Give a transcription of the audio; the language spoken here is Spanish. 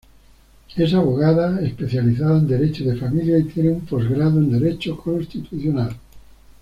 Es abogada, especializada en derecho de familia y tiene un posgrado en Derecho Constitucional.